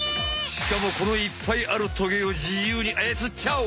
しかもこのいっぱいあるトゲを自由にあやつっちゃう！